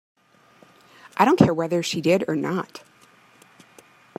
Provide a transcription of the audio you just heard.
I don't care whether she did or not.